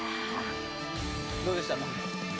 どうでしたか。